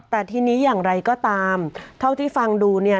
แต่ทีนี้อย่างไรก็ตามเท่าที่ฟังดูเนี่ย